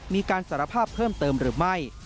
มีการสารภาพเพิ่มเติมหรือไม่